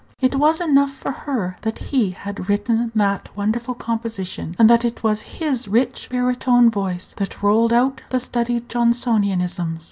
It was enough for her that he had written that wonderful composition, and that it was his rich baritone voice that rolled out the studied Johnsonianisms.